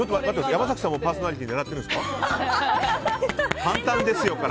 山崎さんもパーソナリティー狙っているんですか？